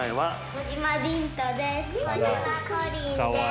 小島凛和です。